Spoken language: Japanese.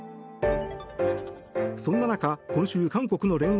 そんな中、今週韓国の聯合